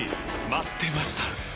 待ってました！